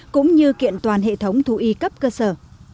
cũng như kiện toàn hệ thống thú y cấp cơ sở